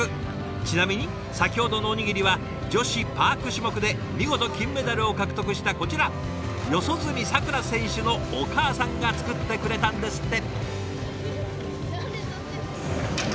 ちなみに先ほどのおにぎりは女子パーク種目で見事金メダルを獲得したこちら四十住さくら選手のお母さんが作ってくれたんですって。